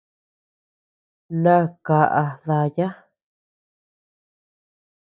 Na kaʼa daya.